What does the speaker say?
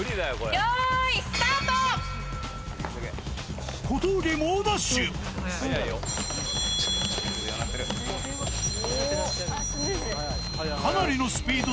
よーい、スタート。